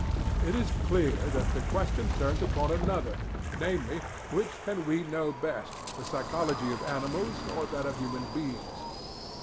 It is clear that the question turns upon another, namely, which can we know best, the psychology of animals or that of human beings?